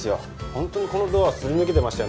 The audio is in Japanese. ほんとにこのドアすり抜けてましたよ